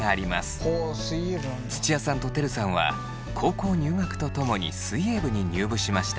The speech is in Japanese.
土屋さんとてるさんは高校入学とともに水泳部に入部しました。